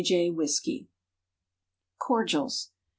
J." whisky. _Cordials.